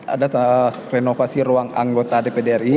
ada renovasi ruang anggota dp dri